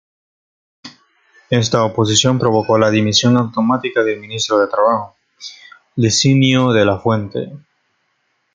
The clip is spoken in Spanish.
Esta oposición provocó la dimisión automática del ministro de Trabajo, Licinio de la Fuente.